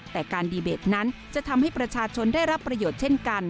แต่การดีเบตนั้นจะทำให้ประชาชนได้รับประโยชน์เช่นกัน